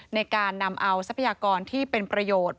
ในการนำเอาทรัพยากรที่เป็นประโยชน์